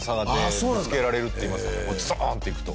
「ズドーン！」っていくと。